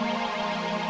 sampai jumpa lagi